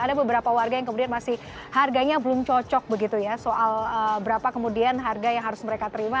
ada beberapa warga yang kemudian masih harganya belum cocok begitu ya soal berapa kemudian harga yang harus mereka terima